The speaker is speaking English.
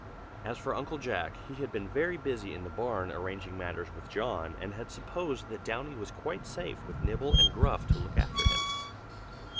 As for Uncle Jack, he had been very busy in the barn arranging matters with John and had supposed that Downy was quite safe with Nibble and Gruff to look after him.